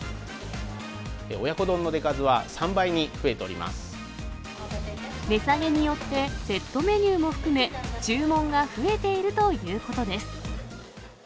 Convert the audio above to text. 親子丼の出数は３倍に増えて値下げによって、セットメニューも含め、注文が増えているということです。